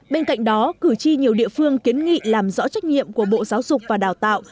bên cạnh đó cử tri nhiều địa phương kiến nghị làm rõ trách nhiệm của bộ giáo dục và đào tạo